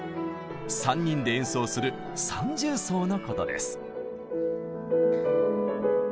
３人で演奏する「三重奏」のことです。